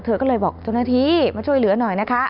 เธอก็เลยบอกเจ้าหน้าที่มาช่วยเหลือหน่อยนะคะ